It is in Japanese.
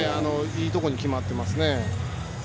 いいところに決まっています。